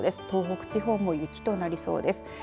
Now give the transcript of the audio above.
東北地方も雪となりそうです。